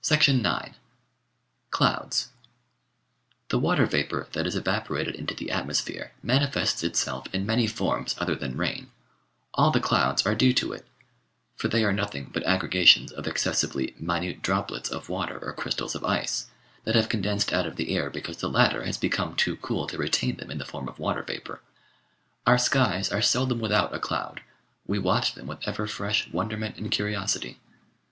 9 Clouds The water vapour that is evaporated into the atmosphere manifests itself in many forms other than rain. All the clouds are due to it, for they are nothing but aggregations of excessively 784 The Outline of Science minute droplets of water or crystals of ice, that have condensed out of the air because the latter has become too cool to retain them in the form of water vapour. Our skies are seldom without a cloud ; we watch them with ever fresh wonderment and curiosity.